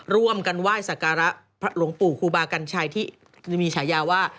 ร่วมกันไหว้สักการะหลวงปู่ครูบากัญชัยที่มีฉายาว่า